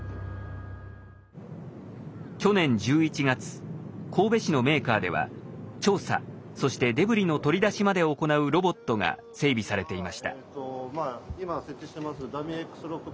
去年１１月神戸市のメーカーでは調査そしてデブリの取り出しまでを行うロボットが整備されていました。